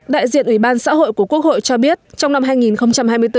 đại diện ủy ban xã hội của quốc hội cho biết trong năm hai nghìn hai mươi bốn